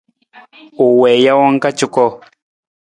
U wii jawang ka cuko.